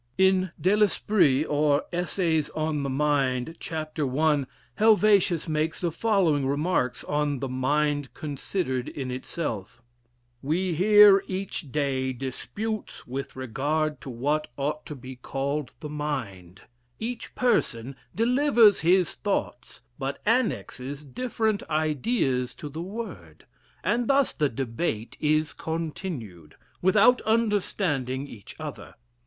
In "De L'Esprit, or, Essays on the Mind," chap. I.. Helvetius makes the following remarks on the "Mind considered in itself": "We hear every day disputes with regard to what ought to be called the Mind; each person delivers his thoughts, but annexes different ideas to the word; and thus the debate is continued, without understanding each other.